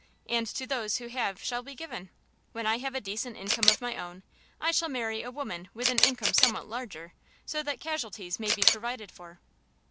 And to those who have shall be given. When I have a decent income of my own, I shall marry a woman with an income somewhat larger, so that casualties may be provided for.